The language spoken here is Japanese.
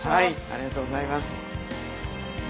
ありがとうございます。